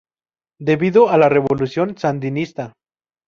Debido a la Revolución Sandinista.